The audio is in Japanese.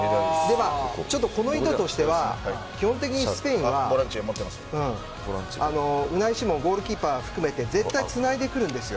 ちょっとこの意図としては基本的にスペインはウナイ・シモンゴールキーパー含めて絶対つないでくるんですよ。